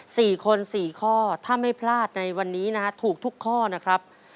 สี่คนสี่ข้อถ้าไม่พลาดในวันนี้นะฮะถูกทุกข้อนะครับ